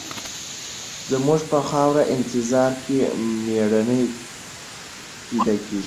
زموږ په خاوره انتظار کې مېړني پیدا کېږي.